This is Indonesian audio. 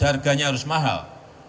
harganya harus mahal